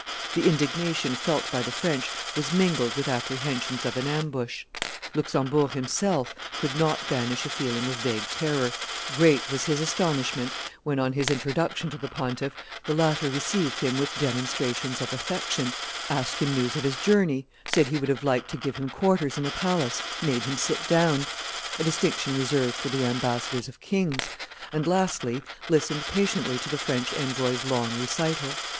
The indignation felt by the French was mingled with apprehensions of an ambush. Luxembourg himself could not banish a feeling of vague terror; great was his astonishment when, on his introduction to the pontiff, the latter received him with demonstrations of affection, asked him news of his journey, said he would have liked to give him quarters in the palace, made him sit down, a distinction reserved for the ambassadors of kings, and, lastly, listened patiently to the French envoy's long recital.